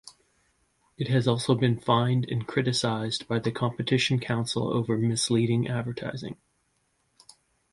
It has also been fined and criticised by The Competition Council over misleading advertising.